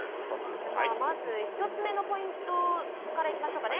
まず一つ目のポイントから行きましょうかね。